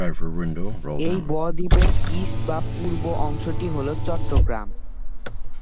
এই বদ্বীপের ইস্ট বা পূর্ব অংশটি হলো চট্টগ্রাম।